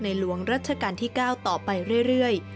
หลวงรัชกาลที่๙ต่อไปเรื่อย